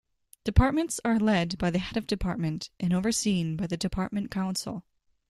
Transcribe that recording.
Departments are led by the head of department and overseen by the department council.